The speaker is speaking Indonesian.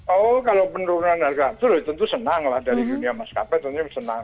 oh kalau penurunan harga aftur tentu senang lah dari dunia maskapai tentunya senang